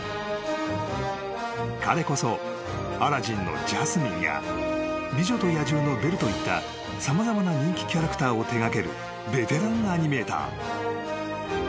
［彼こそ『アラジン』のジャスミンや『美女と野獣』のベルといった様々な人気キャラクターを手掛けるベテランアニメーター］